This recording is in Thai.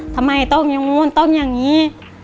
ทำไมต้มอย่างนู้นต้มอย่างนี้